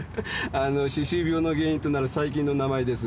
あの歯周病の原因となる細菌の名前です。